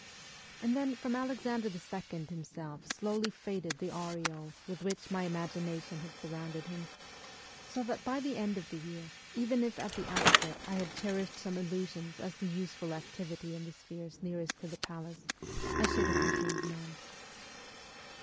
And then from Alexander II. himself slowly faded the aureole with which my imagination had surrounded him ; so that by the end of the year, even if at the outset I had THE CORPS OF PAGES 165 cherished some illusions as to useful activity in the spheres nearest to the palace, I should have retained none.